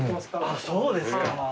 あっそうですか。